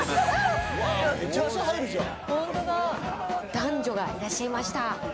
男女がいらっしゃいました。